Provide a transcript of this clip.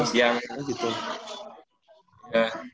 oh yang siapa gitu